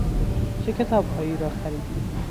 چه کتابهایی را خریدی؟